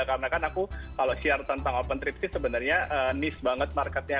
karena kan aku kalau share tentang open trip sih sebenarnya nice banget marketnya